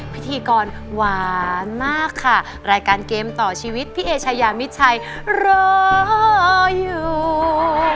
พิธีกรหวานมากค่ะรายการเกมต่อชีวิตพี่เอชายามิดชัยรออยู่